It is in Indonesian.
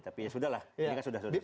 tapi ya sudah lah ini kan sudah sudah